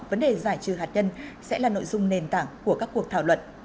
vấn đề giải trừ hạt nhân sẽ là nội dung nền tảng của các cuộc thảo luận